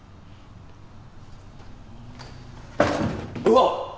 うわっ！